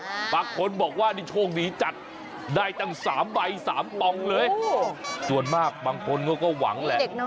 แล้วหลายคนถามเอ้าคุณชนะไหนโปรยไว้ตั้งแต่ตอนแรก